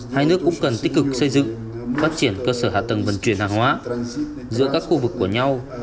hai nước cũng cần tích cực xây dựng phát triển cơ sở hạ tầng vận chuyển hàng hóa giữa các khu vực của nhau